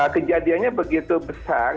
kejadiannya begitu besar